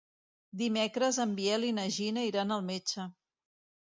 Dimecres en Biel i na Gina iran al metge.